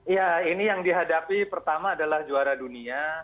ya ini yang dihadapi pertama adalah juara dunia